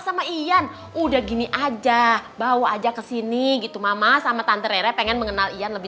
sama iyan udah gini aja bawa aja kesini gitu mama sama tante rere pengen mengenalian lebih